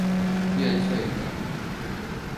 یہ اچھا ہی تھا۔